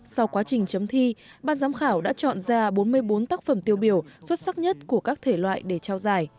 sau quá trình chấm thi ban giám khảo đã chọn ra bốn mươi bốn tác phẩm tiêu biểu xuất sắc nhất của các thể loại để trao giải